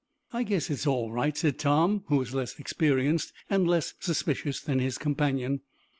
"I guess it's all right," said Tom, who was less experienced and less suspicious than his companion.